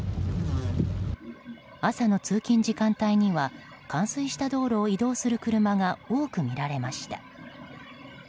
朝の通勤時間帯には冠水した道路を移動する車が多く見られました。